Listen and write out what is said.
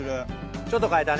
ちょっと変えたね。